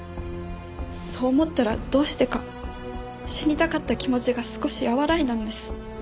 そう思ったらどうしてか死にたかった気持ちが少し和らいだんです。